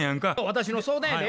私の相談やで。